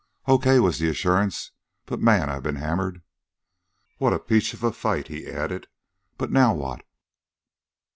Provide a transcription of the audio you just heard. "O.K.," was the assurance. "But, man, I've been hammered!" "What a peach of a fight," he added. "But now what?"